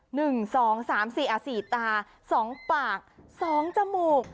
หนึ่งสองสามสี่อ่ะสี่ตาสองปากสองจมูก